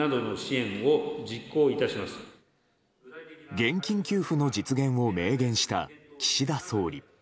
現金給付の実現を明言した岸田総理。